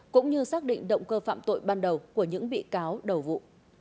cũng như xác định động cơ phạm tội ban đầu của những bị cáo đầu vụ